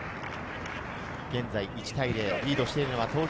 現在１対０、リードしているのは東京